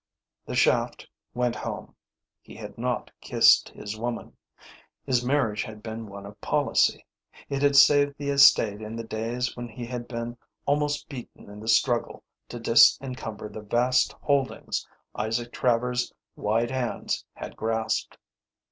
The shaft went home. He had not kissed his woman. His marriage had been one of policy. It had saved the estate in the days when he had been almost beaten in the struggle to disencumber the vast holdings Isaac Travers' wide hands had grasped.